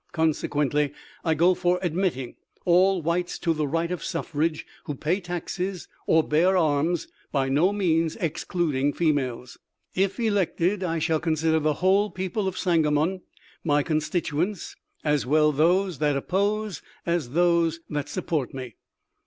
Conse quently, I go for admitting all whites to the right of suffrage who pay taxes or bear arms (by no means excluding females). " If elected I shall consider the whole people of Sangamon my constituents, as well those that oppose as those that support me.